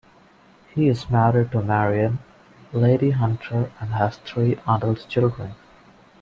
He is married to Marion, Lady Hunter and has three adult children.